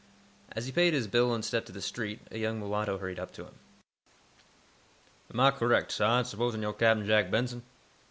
As he paid his bill and stepped to the street, a young mulatto hurried up to him. "Am Ah correct, sah, in supposin' yo' Cap'n Jack Benson?"